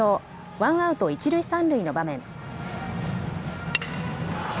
ワンアウト一塁三塁の場面。